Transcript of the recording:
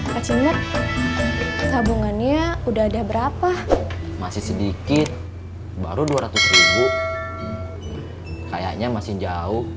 kecilnya tabungannya udah ada berapa masih sedikit baru dua ratus ribu kayaknya masih jauh